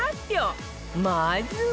まずは